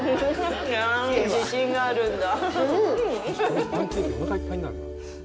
自信があるんだ。